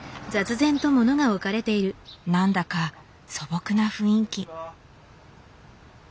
何だか素朴な雰囲気。